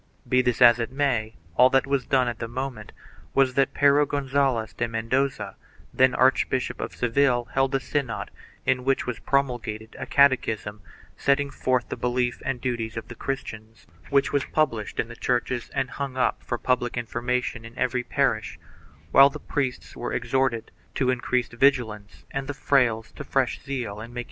2 Be this as it may, all that was done at the moment was that Pero Gonzalez de Mendoza, then Archbishop of Seville, held a synod in which was promulgated a catechism setting forth the belief and duties of the Christian, which was published in the churches and hung up for public information in every parish, while the priests were exhorted to increased vigi lance and the frailes to fresh zeal in making converts.